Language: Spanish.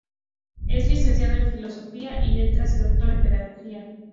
Es licenciado en Filosofía y Letras y doctor en Pedagogía.